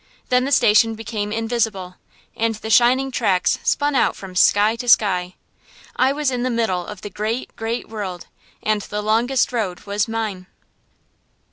Then the station became invisible, and the shining tracks spun out from sky to sky. I was in the middle of the great, great world, and the longest road was mine.